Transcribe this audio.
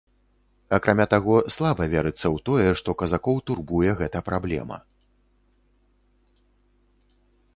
Акрамя таго, слаба верыцца ў тое, што казакоў турбуе гэта праблема.